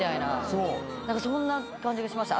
そんな感じがしました。